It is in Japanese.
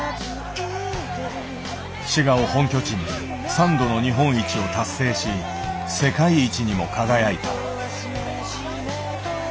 滋賀を本拠地に３度の日本一を達成し世界一にも輝いた。